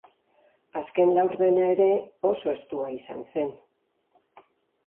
Azken laurdena ere oso estua izan zen.